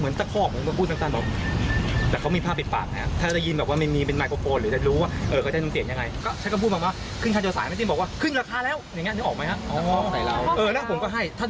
๑๒๓นะถ้าเมื่อฉีกตัวผมผมตบนั่นแหละผมหนึ่งตบ